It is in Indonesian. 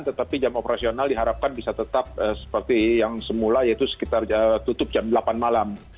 tetapi jam operasional diharapkan bisa tetap seperti yang semula yaitu sekitar tutup jam delapan malam